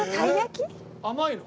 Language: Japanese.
甘いの？